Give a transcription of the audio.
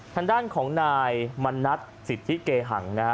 ทางด้านของนายมณัติสิทธิเกหัง